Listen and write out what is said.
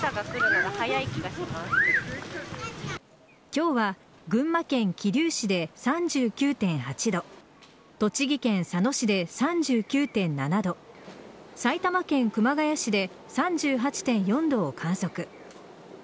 今日は群馬県桐生市で３９．８度栃木県佐野市で３９．７度埼玉県熊谷市で３８．４度を観測。